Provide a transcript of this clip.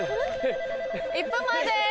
１分前です！